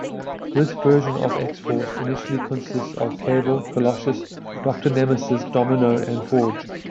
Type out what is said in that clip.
This version of X-Force initially consists of Cable, Colossus, Doctor Nemesis, Domino, and Forge.